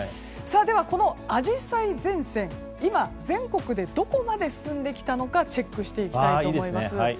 このアジサイ前線が今、全国でどこまで進んできたのかチェックしていきたいと思います。